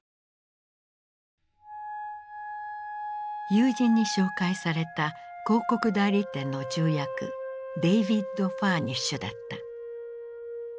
友人に紹介された広告代理店の重役デイヴィッド・ファーニッシュだった。